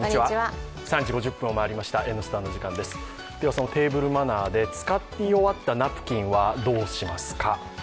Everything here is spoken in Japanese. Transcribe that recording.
そのテーブルマナーで、食べ終わったあと使い終わったナプキンはどうしますか？